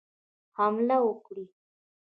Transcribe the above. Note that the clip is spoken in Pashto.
حمله وکړي.